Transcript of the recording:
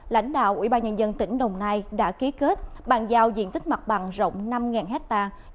lãnh đạo ủy ban nhân dân tỉnh đồng nai đã ký kết bàn giao diện tích mặt bằng rộng năm hectare